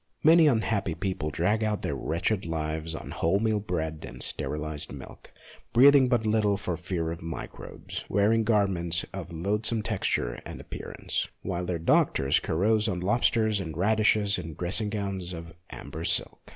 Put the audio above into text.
Many unhappy people drag out their wretched lives on wholemeal bread and sterilized milk, breathing but little for fear of microbes, and wearing garments of loathsome texture and appearance, while their doctors carouse on lobsters and radishes in dressing gowns of amber silk.